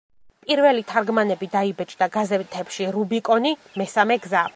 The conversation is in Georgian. პირველი თარგმანები დაიბეჭდა გაზეთებში „რუბიკონი“, „მესამე გზა“.